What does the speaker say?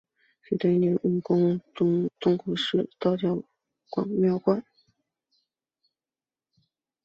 水碓斗母宫里的中国式道教庙观。